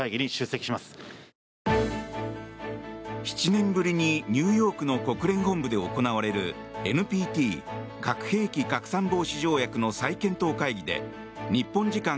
７年ぶりにニューヨークの国連本部で行われるＮＰＴ・核兵器拡散防止条約の再検討会議で日本時間